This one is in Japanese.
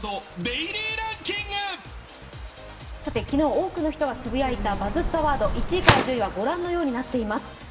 機能、多くの人がつぶやいたバズったワード、１位から１０位は御覧のようになっています。